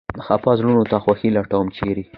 خپه زړونو ته خوښي لټوم ، چېرې ؟